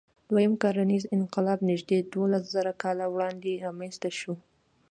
دوهیم کرنیز انقلاب نږدې دولسزره کاله وړاندې رامنځ ته شو.